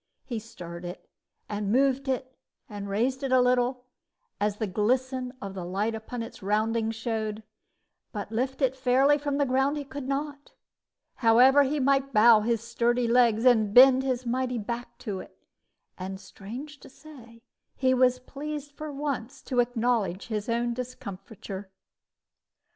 He stirred it, and moved it, and raised it a little, as the glisten of the light upon its roundings showed; but lift it fairly from the ground he could not, however he might bow his sturdy legs and bend his mighty back to it; and, strange to say, he was pleased for once to acknowledge his own discomfiture.